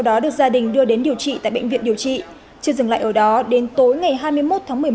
đó được gia đình đưa đến điều trị tại bệnh viện điều trị chưa dừng lại ở đó đến tối ngày hai mươi một tháng